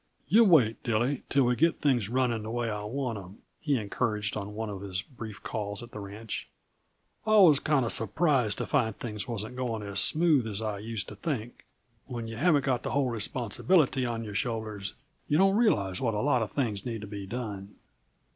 "Yuh wait, Dilly, till we get things running the way I want 'em," he encouraged on one of his brief calls at the ranch. "I was kinda surprised to find things wasn't going as smooth as I used to think; when yuh haven't got the whole responsibility on your own shoulders, yuh don't realize what a lot of things need to be done.